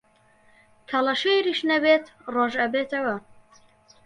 کەڵەشێریش نەبێت ڕۆژ ئەبێتەوە